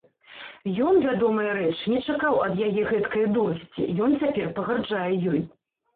Ён, вядомая рэч, не чакаў ад яе гэткае дурасці, ён цяпер пагарджае ёй.